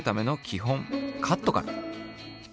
ほんカットから。